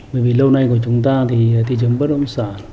bởi vì lâu nay của chúng ta thì thị trường bất động sản